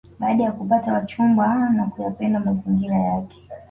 Baada ya kupata wachumba na kuyapenda mazingira yake